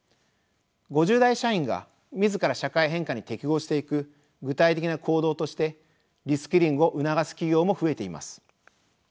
５０代社員が自ら社会変化に適合していく具体的な行動としてリスキリングを促す企業も増えています。